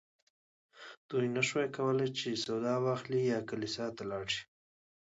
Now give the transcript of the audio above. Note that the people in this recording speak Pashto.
دوی نه شوای کولی چې سودا واخلي یا کلیسا ته لاړ شي.